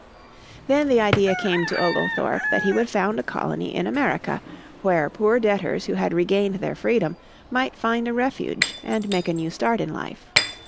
Then the idea came to Oglethorpe that he would found a colony in America, where poor debtors who had regained their freedom might find a refuge and make a new start in life.